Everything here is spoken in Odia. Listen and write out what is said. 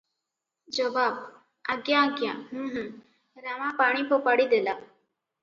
ଜବାବ - ଆଜ୍ଞା ଆଜ୍ଞା, ହୁଁ ହୁଁ, ରାମା ପାଣି ଫୋପାଡି ଦେଲା ।